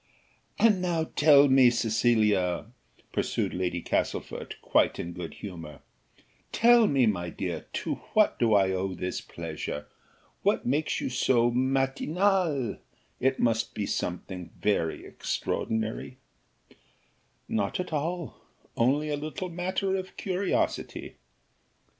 "And now tell me, Cecilia," pursued Lady Castlefort, quite in good humour, "tell me, my dear, to what do I owe this pleasure? what makes you so matinale? It must be something very extraordinary." "Not at all, only a little matter of curiosity."